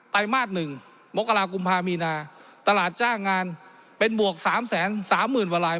ไตรมาสหนึ่งมกรากุมภามีนาตลาดจ้างงานเป็นบวกสามแสนสามหมื่นวะลาย